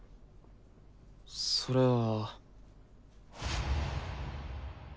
それは。